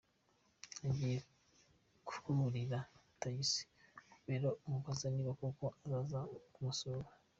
Agiye kurira tagisi, Kabera amubaza niba koko azaza kumusura .